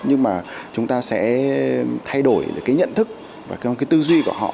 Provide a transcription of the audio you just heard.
nhưng mà chúng ta sẽ thay đổi nhận thức và tư duy của họ